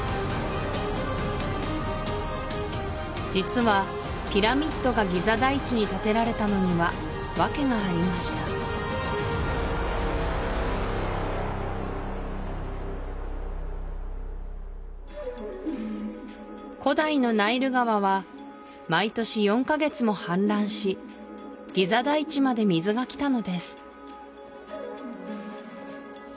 実はピラミッドがギザ台地に建てられたのには訳がありました古代のナイル川は毎年４か月も氾濫しギザ台地まで水がきたのです